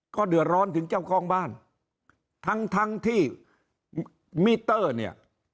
ก็เดือดร้อนถึงเจ้าของบ้านทั้งทั้งที่มิเตอร์เนี่ย